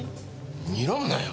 にらむなよ。